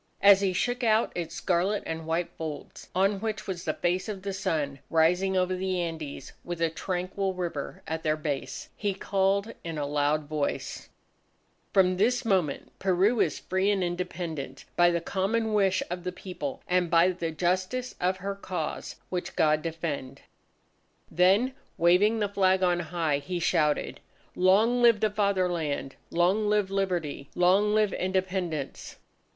As he shook out its scarlet and white folds on which was the face of the Sun rising over the Andes with a tranquil river at their base, he called in a loud voice: "From this moment Peru is free and independent by the common wish of the People, and by the justice of her cause, which God defend!" Then waving the flag on high, he shouted: "Long live the Fatherland! Long live Liberty! Long live Independence!"